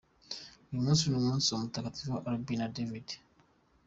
Uyu munsi ni umunsi wa Mutagatifu Albin na David.